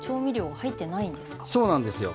そうなんですよ。